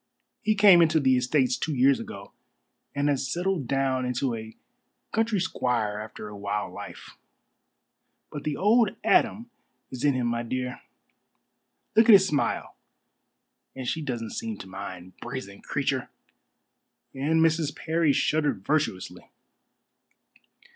He came into the estates two years ago, and has settled down into a country squire after a wild life. But the old Adam is in him, my dear. Look at his smile and she doesn't seem to mind. Brazen creature!" And Mrs. Parry shuddered virtuously.